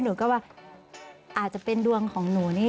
หนูก็ว่าอาจจะเป็นดวงของหนูนี่